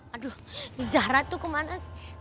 aduh zara tuh kemana sih